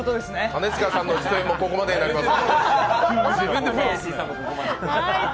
兼近さんの出演もここまでになります。